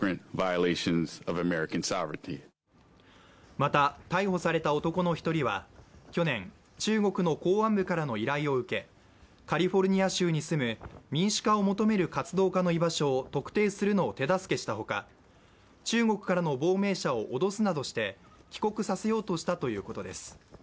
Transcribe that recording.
また逮捕された男の１人は去年、中国の公安部からの依頼を受け、カリフォルニア州に住む民主化を求める活動家の居場所を特定するのを手助けしたほか、中国からの亡命者を脅すなどして帰国させようとしたということです。